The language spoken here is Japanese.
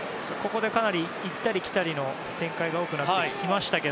行ったり来たりの展開が多くなってきましたが。